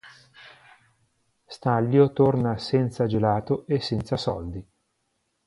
Stanlio torna senza gelato e senza soldi.